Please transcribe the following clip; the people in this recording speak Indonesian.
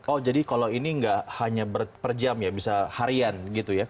oh jadi kalau ini nggak hanya per jam ya bisa harian gitu ya